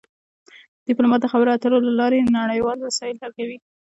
ډیپلومات د خبرو اترو له لارې نړیوال مسایل حل کوي